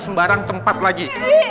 sembarang tempat lagi